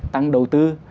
tăng đầu tư